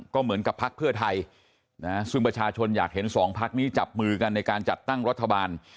ก็เหมือนกับพักเพื่อไทยซึ่งประชาชนอยากเห็นสองพักนี้จับมือกันในการจัดตั้งรัฐบาล